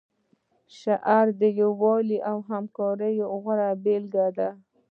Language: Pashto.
اشر د یووالي او همکارۍ غوره بیلګه ده.